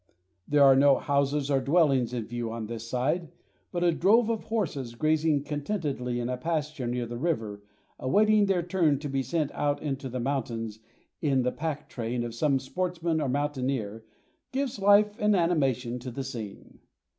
There are no houses or dwellings in view on this side, but a drove of horses grazing contentedly in a pasture near the river, awaiting their turn to be sent out into the mountains in the pack train of some sportsman or mountaineer, gives life and animation to the scene.